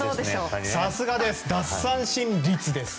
さすがです、奪三振率です。